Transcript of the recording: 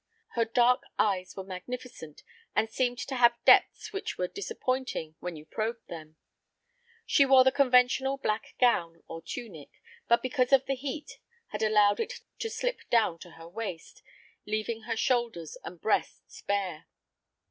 Her dark eyes were magnificent, and seemed to have depths which were disappointing when you probed them. She wore the conventional black gown, or tunic, but because of the heat had allowed it to slip down to her waist, leaving her shoulders and breasts bare.